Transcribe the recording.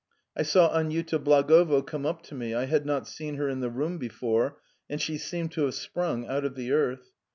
I saw Aniuta Blagovo come up to me. I had not seen her in the hall before and she seemed ,to have sprung up from the floor.